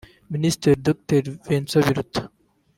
Minisitiri Dr Vincent Biruta